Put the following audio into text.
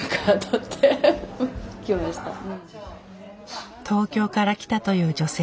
東京から来たという女性。